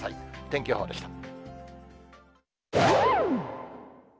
天気予報でした。